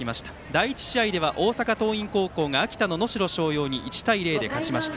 第１試合では大阪桐蔭高校が秋田の能代松陽に１対０で勝ちました。